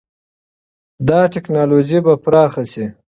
دا ټکنالوژي به پراخه شي.